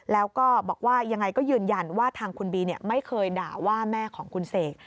แล้วก็บอกว่ายังไงก็ยืนยันว่าทางคุณบีไม่เคยด่าว่าแม่ของคุณเสก